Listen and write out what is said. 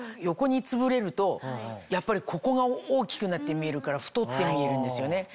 横につぶれるとやっぱりここが大きくなって見えるから太って見えるんですよね。